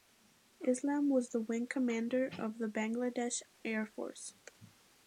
Islam was the Wing Commander of the Bangladesh Air Force.